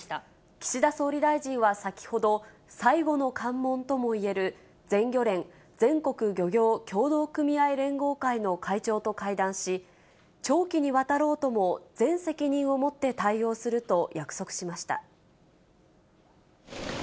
岸田総理大臣は先ほど、最後の関門ともいえる全漁連・全国漁業協同組合連合会の会長と会談し、長期にわたろうとも全責任を持って対応すると約束しました。